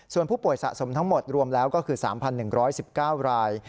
ส่วนผู้ป่วยสะสมทั้งหมดรวมแล้วก็คือ๓๑๑๙ราย